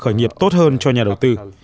khởi nghiệp tốt hơn cho nhà đầu tư